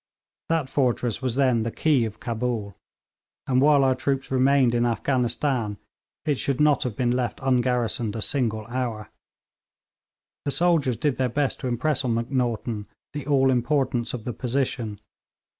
That fortress was then the key of Cabul, and while our troops remained in Afghanistan it should not have been left ungarrisoned a single hour. The soldiers did their best to impress on Macnaghten the all importance of the position.